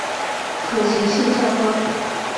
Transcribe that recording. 可行性较高